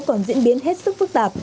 còn diễn biến hết sức